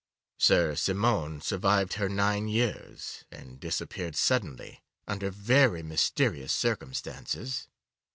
Sir Simon survived her nine years, and disappeared suddenly under very mysterious circumstances.